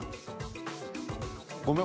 ごめん。